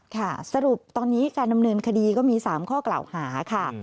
ค่ะสรุปตอนนี้การดำเนินคดีก็มี๓ข้อกล่าวหาค่ะ